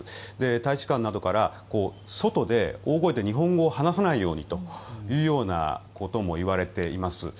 大使館などから外で大声で日本語を話さないようにというようなことも言われています。